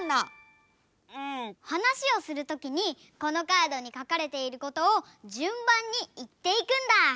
はなしをするときにこのカードにかかれていることをじゅんばんにいっていくんだ！